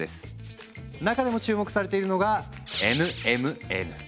中でも注目されているのがＮＭＮ。